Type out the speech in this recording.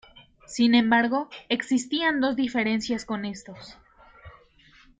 Sin embargo, existían dos diferencias con estos.